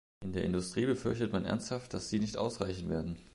In der Industrie befürchtet man ernsthaft, dass sie nicht ausreichen werden.